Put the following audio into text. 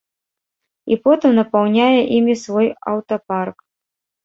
І потым напаўняе імі свой аўтапарк.